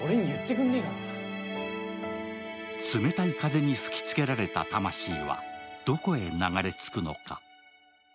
冷たい風に吹きつけられた魂はどこに流れ着くのか。